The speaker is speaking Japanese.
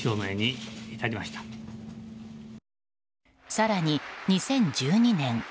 更に、２０１２年。